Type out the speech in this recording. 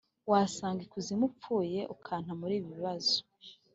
wasanga ikuzimu upfuye ukanta muri bibazo"